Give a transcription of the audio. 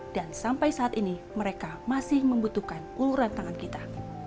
dan sampai saat ini mereka masih membutuhkan uluran tangan kita